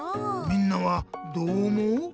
みんなはどう思う？